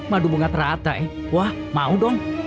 madu bunga teratai wah mau dong